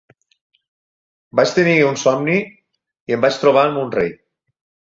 Vaig tenir un somni, i em vaig trobar amb un rei.